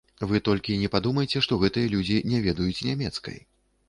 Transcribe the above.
Вы толькі не падумайце, што гэтыя людзі не ведаюць нямецкай.